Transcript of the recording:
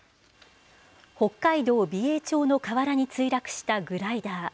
北海道美瑛町の河原に墜落したグライダー。